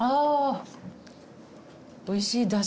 おいしい。